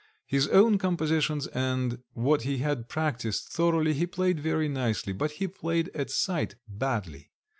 His own compositions and what he had practised thoroughly he played very nicely, but he played at sight badly.